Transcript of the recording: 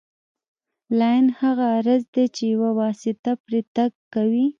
لاین هغه عرض دی چې یوه واسطه پرې تګ کوي